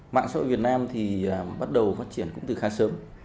mạng xã hội việt nam thì bắt đầu phát triển cũng từ khá sớm